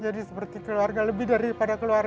jadi seperti keluarga lebih daripada keluarga